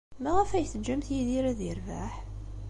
Maɣef ay teǧǧamt Yidir ad yerbeḥ?